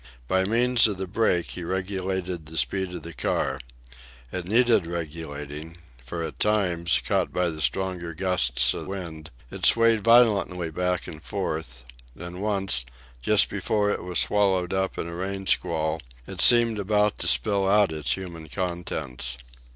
By means of the brake he regulated the speed of the car. It needed regulating, for at times, caught by the stronger gusts of wind, it swayed violently back and forth; and once, just before it was swallowed up in a rain squall, it seemed about to spill out its human contents.